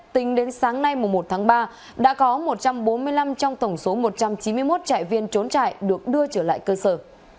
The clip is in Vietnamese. tính đến sáng nay một tháng ba đã có một trăm bốn mươi năm trong tổng số một trăm chín mươi một trại viên trốn trại được đưa trở lại cơ sở